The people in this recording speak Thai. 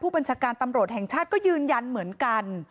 บัญชาการตำรวจแห่งชาติก็ยืนยันเหมือนกัน